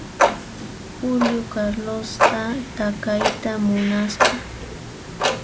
Julio Carlosta takayta munasqa.